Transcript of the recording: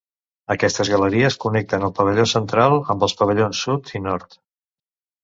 Aquestes galeries connecten el pavelló central amb els pavellons sud i nord.